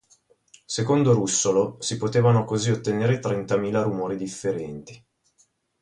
Secondo Russolo, si potevano così ottenere trentamila rumori differenti.